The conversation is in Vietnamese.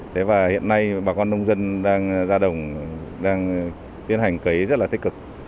thế và hiện nay bà con nông dân đang ra đồng đang tiến hành cấy rất là tích cực